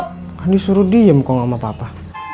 kan disuruh diem kok gak mau apa apa